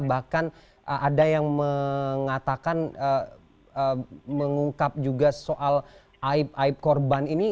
bahkan ada yang mengatakan mengungkap juga soal aib aib korban ini